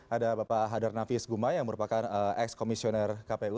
ada bapak hadar nafis guma yang merupakan ex komisioner kpu